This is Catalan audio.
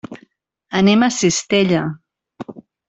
Anem a Cistella.